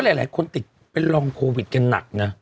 แต่ก็หลายคนติดไปลองโควิดกันหนักนะ